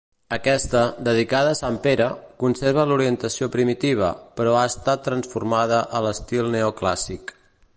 Aquesta, dedicada a Sant Pere, conserva l'orientació primitiva, però ha estat transformada a l'estil neoclàssic.